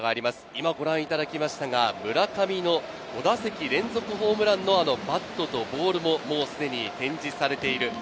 今ご覧いただきましたが、村上の５打席連続ホームランのバットとボールももうすでに展示されている。